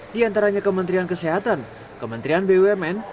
di antaranya kementerian kesehatan kementerian bumn